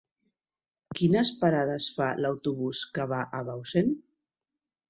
Quines parades fa l'autobús que va a Bausen?